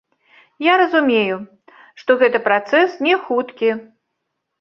Я разумею, што гэта працэс не хуткі.